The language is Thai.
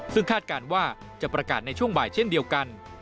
ซึ่งคาดการณ์ว่าจะประกาศในช่วงบ่ายเช่นเดียวกัน